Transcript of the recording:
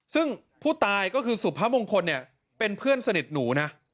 ซึ่งผู้ตายก็คือสุพมงคลเนี่ยเป็นเพื่อนสนิทหนูนะ